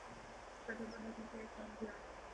طاقتور حلقوں کے کام بھی آرہے تھے۔